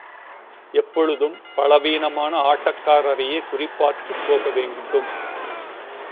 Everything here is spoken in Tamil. எப்பொழுதும் பலவீனமான ஆட்டக்காரரையே குறிபார்த்துப் போக வேண்டும்.